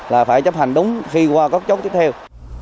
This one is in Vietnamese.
là phải chấp hành đúng khi qua các chốt tiếp theo